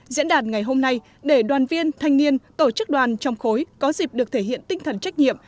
diễn đàn ngày hôm nay để đoàn viên thanh niên tổ chức đoàn trong khối có dịp được thể hiện tinh thần trách nhiệm